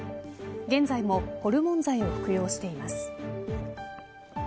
現在もホルモン剤を服用しています。